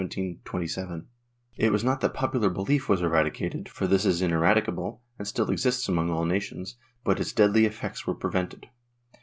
^ It was not that popular belief was eradicated, for this is ineradicable and still exists among all nations, but its deadly effects were prevented.